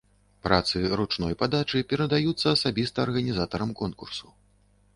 Працы ручной падачы перадаюцца асабіста арганізатарам конкурсу.